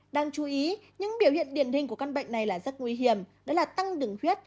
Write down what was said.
đáng chú ý những biểu hiện điển hình của căn bệnh này là rất nguy hiểm đó là tăng đường huyết